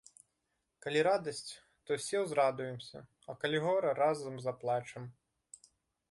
Калі радасць, то ўсе ўзрадуемся, а калі гора, разам заплачам.